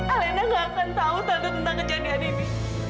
alena nggak akan tahu tanda tentang kejadian ini